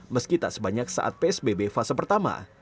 meski tak sebanyak saat psbb fase pertama